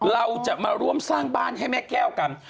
เราจะมาร่วมสร้างบ้านให้แม่แก้วกัน